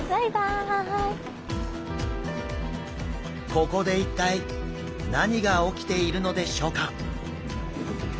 ここで一体何が起きているのでしょうか？